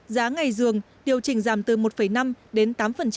giá ngày dường điều chỉnh giảm từ một năm đến tám